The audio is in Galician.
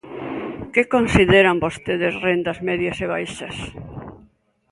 ¿Que consideran vostedes rendas medias e baixas?